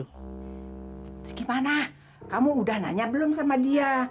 terus gimana kamu udah nanya belum sama dia